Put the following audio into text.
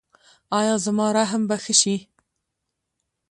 ایا زما رحم به ښه شي؟